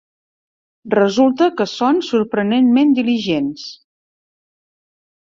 Resulta que són sorprenentment diligents.